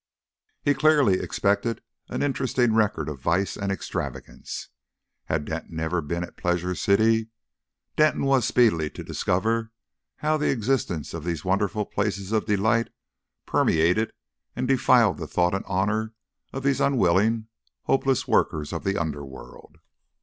He clearly expected an interesting record of vice and extravagance. Had Denton ever been at a Pleasure City? Denton was speedily to discover how the existence of these wonderful places of delight permeated and defiled the thought and honour of these unwilling, hopeless workers of the underworld.